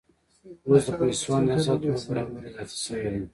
اوس د پیسو اندازه دوه برابره زیاته شوې ده